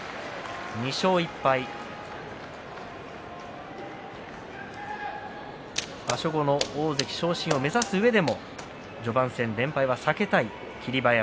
２勝１敗、場所後の大関昇進を目指すうえでも序盤戦、連敗は避けたい霧馬山。